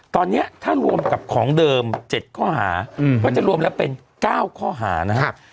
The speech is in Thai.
ตอนนี้ถ้ารวมกับของเดิม๗ข้อหาก็จะรวมแล้วเป็น๙ข้อหานะครับ